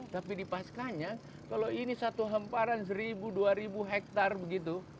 tapi di pascanya kalau ini satu hemparan seribu dua ribu hektar begitu